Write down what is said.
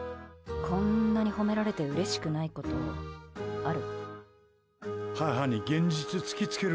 こんなに褒められてうれしくないことある？